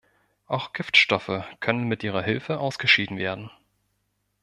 Auch Giftstoffe können mit ihrer Hilfe ausgeschieden werden.